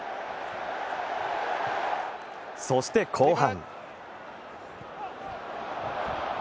そして後半。